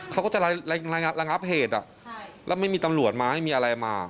เขาก็จะระงับเหตุแล้วไม่มีตำรวจมาไม่มีอะไรมา